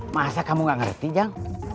masa kamu nggak ngerti jam